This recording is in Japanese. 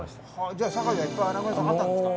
じゃあ堺はいっぱいアナゴ屋さんあったんですか？